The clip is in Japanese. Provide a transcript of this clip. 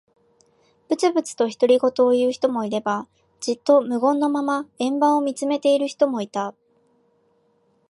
ぶつぶつと独り言を言う人もいれば、じっと無言のまま円盤を見つめている人もいた。